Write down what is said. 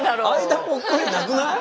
間ぽっこりなくない？